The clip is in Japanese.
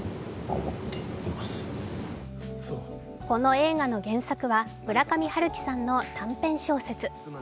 この映画の原作は村上春樹さんの短編小説。